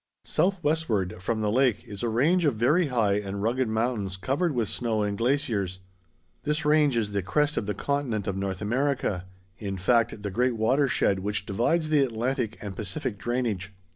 Southwestward from the lake is a range of very high and rugged mountains covered with snow and glaciers. This range is the crest of the continent of North America, in fact the great water shed which divides the Atlantic and Pacific drainage.